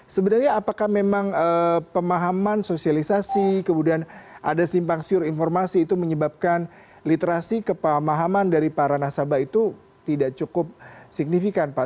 sebenarnya apakah memang pemahaman sosialisasi kemudian ada simpang siur informasi itu menyebabkan literasi kepamahaman dari para nasabah itu tidak cukup signifikan pak